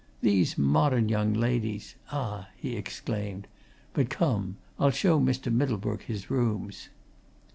"These modern young ladies ah!" he exclaimed. "But come I'll show Mr. Middlebrook his rooms."